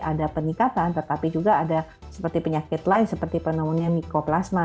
ada peningkatan tetapi juga ada seperti penyakit lain seperti pneumonia mikroplasma